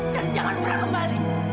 dan jangan pernah kembali